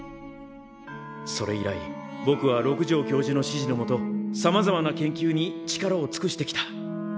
それ以来ぼくは六条教授の指示のもとさまざまな研究に力をつくしてきた。